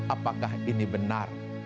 apakah ini benar